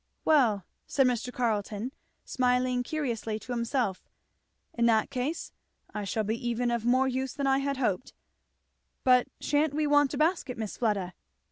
"Well," said Mr. Carleton smiling curiously to himself, "in that case I shall be even of more use than I had hoped. But sha'n't we want a basket, Miss Fleda?"